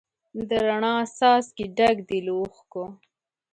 د روڼا څاڅکي ډک دي له اوښکو